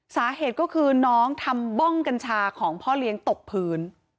สาเหตุก็คือน้องทำบ้องกัญชาของพ่อเลี้ยงตกพื้น